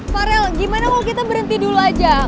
farel gimana mau kita berhenti dulu aja